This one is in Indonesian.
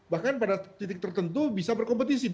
bahkan pada titik tertentu bisa berkompetisi